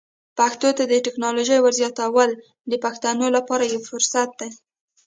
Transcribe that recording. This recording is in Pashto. پښتو ته د ټکنالوژۍ ور زیاتول د پښتنو لپاره یو فرصت دی.